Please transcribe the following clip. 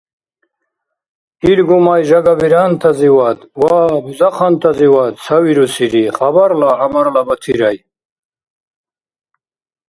Ил гумай жагабирантазивад ва бузахъантазивад ца вирусири хабарла Гӏямарла Батирай.